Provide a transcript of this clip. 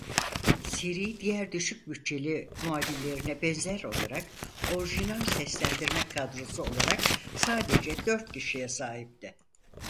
Seri diğer düşük bütçeli muadillerine benzer olarak orijinal seslendirme kadrosu olarak sadece dört kişiye sahipti.